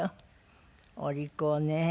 お利口ね。